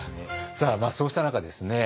さあそうした中ですね